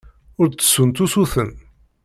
Ur d-ttessunt usuten.